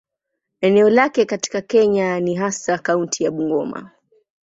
Eneo lao katika Kenya ni hasa kaunti ya Bungoma.